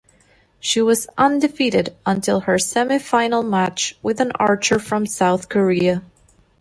She was undefeated until her semifinal match with an archer from South Korea.